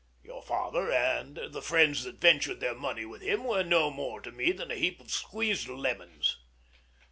Your father and the friends that ventured their money with him were no more to me than a heap of squeezed lemons.